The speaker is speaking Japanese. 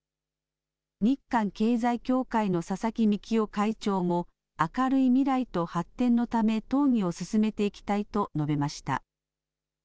日韓経済協会の佐々木幹夫会長も、明るい未来と発展のため、討議を進めていきたいと述べました。